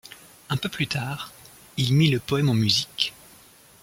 Un peu plus tard, il mit le poème en musique.